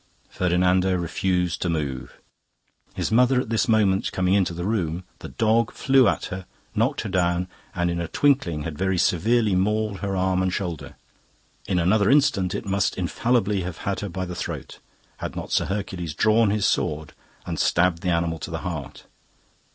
Ferdinando refused to move. His mother at this moment coming into the room, the dog flew at her, knocked her down, and in a twinkling had very severely mauled her arm and shoulder; in another instant it must infallibly have had her by the throat, had not Sir Hercules drawn his sword and stabbed the animal to the heart.